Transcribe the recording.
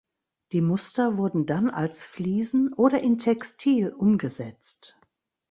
Die Muster wurden dann als Fliesen oder in Textil umgesetzt.